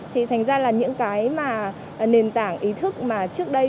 thì thành ra là những cái mà nền tảng ý thức mà trước đây